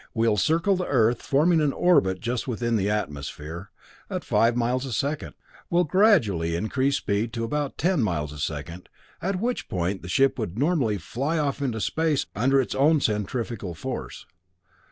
We'll circle the Earth, forming an orbit just within the atmosphere, at five miles a second. We'll gradually increase the speed to about ten miles a second, at which point the ship would normally fly off into space under its own centrifugal force.